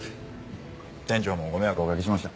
店長もご迷惑おかけしました。